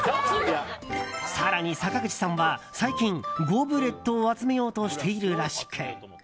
更に、坂口さんは最近ゴブレットを集めようとしているらしく。